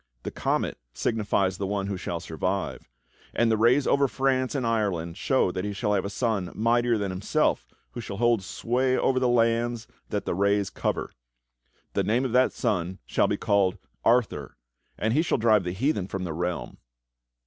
The comet signifies the one who shall survive, and the rays over France and Ireland show that he shall have a son mightier than himself who shall hold sway over the lands that the rays cover. The name of that son shall be called ARTHUR, and he shall drive the heathen from the realm."